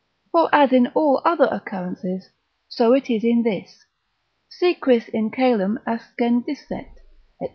For as in all other occurrences, so it is in this, Si quis in coelum ascendisset, &c.